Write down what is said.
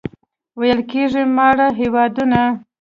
ویل کېږي ماړه هېوادونه.